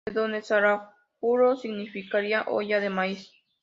De donde Saraguro significaría olla de maíz.